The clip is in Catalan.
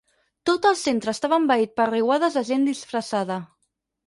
Tot el centre estava envaït per riuades de gent disfressada.